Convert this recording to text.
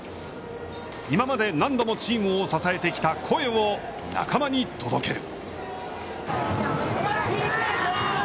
今まで何度もチームを支えてきた声を仲間に届ける。